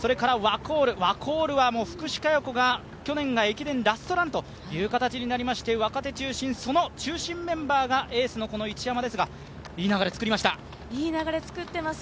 ワコールは福士加代子が去年、駅伝ラストランという形になりまして、若手中心、その中心メンバーがエースの一山ですが、いい流れをつくりました。